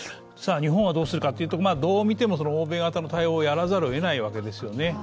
日本はどうするかというと、どう見ても欧米型の対応をやらざるをえないわけですよね。